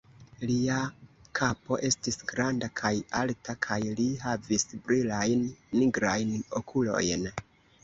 Lia kapo estis granda kaj alta, kaj li havis brilajn nigrajn okulojn.